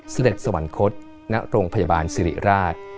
เสด็จสวรรคตณโรงพยาบาลสิริราช